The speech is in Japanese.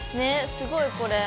すごいこれ。